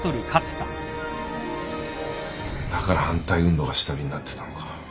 だから反対運動が下火になってたのか。